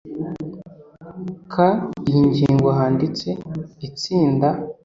Ka iyi ngingo handitse itsinda